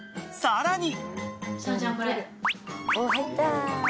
［さらに］